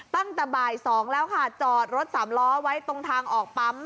ตั้งแต่บ่าย๒แล้วค่ะจอดรถสามล้อไว้ตรงทางออกปั๊ม